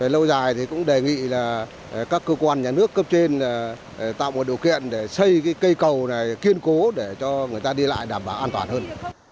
lâu dài thì cũng đề nghị là các cơ quan nhà nước cấp trên tạo một điều kiện để xây cây cầu này kiên cố để cho người ta đi lại đảm bảo an toàn hơn